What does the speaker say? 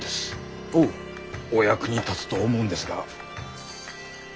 お役に立つと思うんですが。